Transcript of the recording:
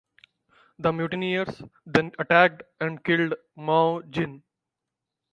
The mutineers then attacked and killed Mao Jin.